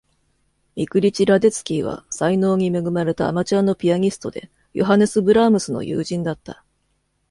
ミクリチ・ラデツキーは才能に恵まれたアマチュアのピアニストで、ヨハネス・ブラームスの友人だった。